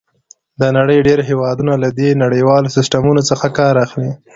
د نړۍ ډېر هېوادونه له دې نړیوالو سیسټمونو څخه کار اخلي.